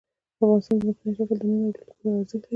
افغانستان کې ځمکنی شکل د نن او راتلونکي لپاره ارزښت لري.